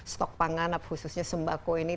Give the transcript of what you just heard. stok pangan khususnya sembako ini